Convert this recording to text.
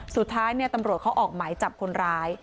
สุดท้ายตำรวจเขาออกหมายจับคนร้าย